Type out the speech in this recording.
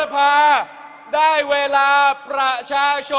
แฟนดิน